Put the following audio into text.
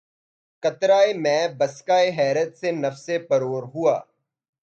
قطرہٴ مے بسکہ حیرت سے نفس پرور ہوا